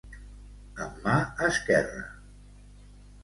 Amb mà esquerra.